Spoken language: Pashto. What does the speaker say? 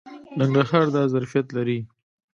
ننګرهار دا ظرفیت لري.